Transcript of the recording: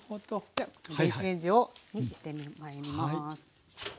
じゃあ電子レンジにいってまいります。